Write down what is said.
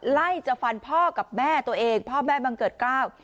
ไล่จะฟันพ่อกับแม่ตัวเองพ่อแม่บังเกิดกล้าว